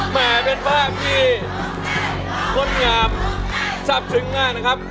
แหมเป็นภาพที่มดงามจับถึงหน้านะครับ